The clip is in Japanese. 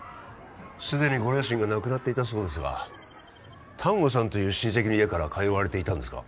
すでにご両親が亡くなっていたそうですが丹後さんという親戚の家から通われていたんですか？